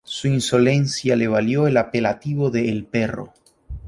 Su insolencia le valió el apelativo de "el perro.